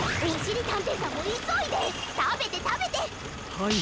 はい！